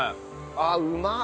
あっうまっ。